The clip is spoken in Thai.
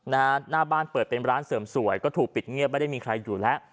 หน้าบ้านเปิดเป็นร้านเสริมสวยก็ถูกปิดเงียบไม่ได้มีใครอยู่แล้ว